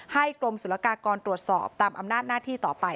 กรมศุลกากรตรวจสอบตามอำนาจหน้าที่ต่อไป